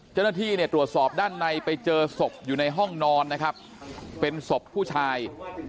เจ้าหน้าที่เนี่ยตรวจสอบด้านในไปเจอศพอยู่ในห้องนอนนะครับเป็นศพผู้ชาย